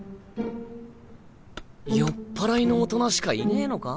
酔っぱらいの大人しかいねえのか？